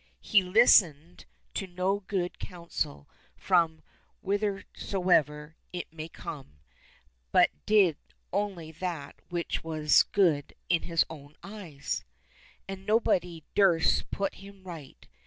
He listened to no good counsel from whither soever it might come, but did only that which was good in his own eyes, and nobody durst put him right.